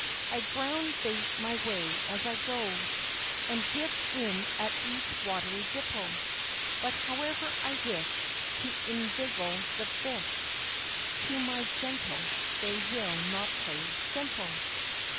I ground bait my way as I go, And dip in at each watery dimple; But however I wish To inveigle the fish, To my gentle they will not play simple!